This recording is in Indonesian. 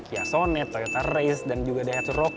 ya sonet toyota race dan juga ada hatch rocky